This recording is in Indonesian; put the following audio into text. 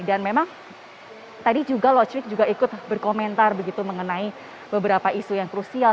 dan memang tadi juga lociwi ikut berkomentar begitu mengenai beberapa isu yang krusial